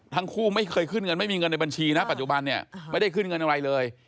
ทั้งคู่ไม่เคยขึ้นเงินไม่มีเงินในบัญชีนะปัจจุบันเนี่ยไม่ได้ขึ้นเงินอะไรเลย